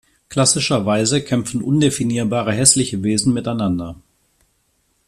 Klassischerweise kämpfen undefinierbare hässliche Wesen miteinander.